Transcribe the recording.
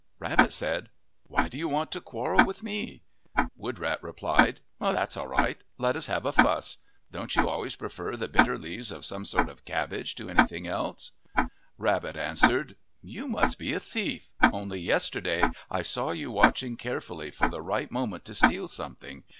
Rabbit said, " Why do you want to quarrel with me?" Woodrat replied, " That 's all right. Let us have a fuss. Don't you always prefer the bitter leaves of some sort of cabbage to everything else ?' Rabbit answered, " You must be a thief. Only yesterday I saw you watching carefully for the right moment to steal something.